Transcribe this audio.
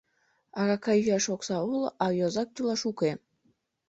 Арака йӱаш окса уло, а йозак тӱлаш уке.